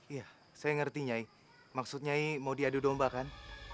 iya saya ngerti nyai maksud nyai mau diadu domba kan